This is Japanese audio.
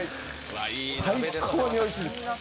最高においしいです。